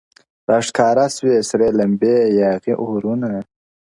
راښكاره سوې سرې لمبې ياغي اورونه-